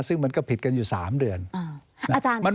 ซึ่งมันก็ผิดกันอยู่สามเดือนอาจารย์